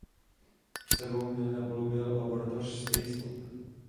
Sebou měli na palubě laboratoř Spacelab.